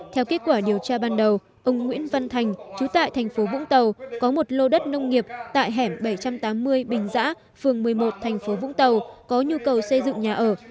theo kết quả điều tra ban đầu ông nguyễn văn thành chú tại thành phố vũng tàu có một lô đất nông nghiệp tại hẻm bảy trăm tám mươi bình giã phường một mươi một thành phố vũng tàu có nhu cầu xây dựng nhà ở